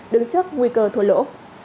đứng trước nguy cơ thua lỗ